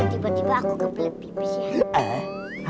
tiba tiba aku kepelit pipisnya